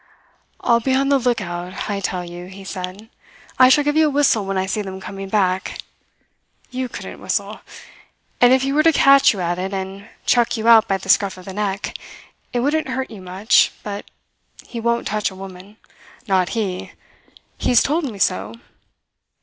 "I'll be on the look out, I tell you," he said. "I shall give you a whistle when I see them coming back. You couldn't whistle. And if he were to catch you at it, and chuck you out by the scruff of the neck, it wouldn't hurt you much; but he won't touch a woman. Not he! He has told me so.